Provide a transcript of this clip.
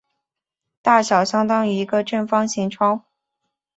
大小相当于一个正方形窗户。